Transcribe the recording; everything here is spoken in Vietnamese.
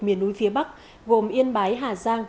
miền núi phía bắc gồm yên bái hà giang